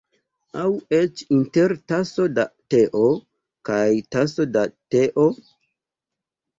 Aŭ eĉ inter ‘taso da teo’ kaj ‘taso de teo’?